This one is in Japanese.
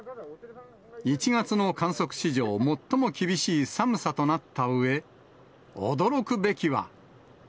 １月の観測史上最も厳しい寒さとなったうえ、驚くべきは。